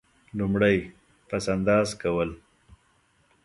لومړی: پس انداز کول.